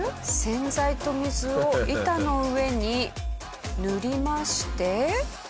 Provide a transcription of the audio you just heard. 洗剤と水を板の上に塗りまして。